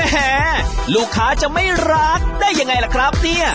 ลูกค้าจะไม่รักได้ยังไงล่ะครับเนี่ย